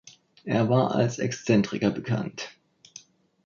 Er war als Exzentriker bekannt.